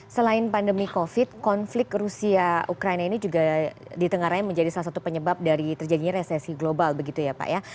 selain pandemi covid konflik rusia ukraina ini juga di tengah raya menjadi salah satu penyebab dari terjadinya resesi global begitu ya pak ya